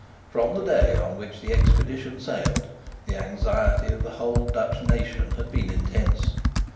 From the day on which the expedition sailed, the anxiety of the whole Dutch nation had been intense.